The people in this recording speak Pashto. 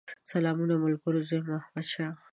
سلامونه ملګرو! زه يم احمدشاه